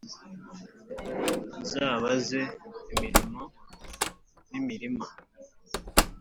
zabaze imirimo n’imirima,